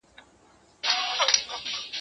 سپینه ورځ یې توره شپه لیده په سترګو